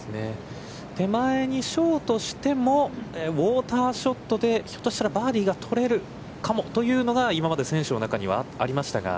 手前にショートしても、ウオーターショットでひょっとしたらバーディーが取れるかもというのがというのが今まで選手の中にはありましたが。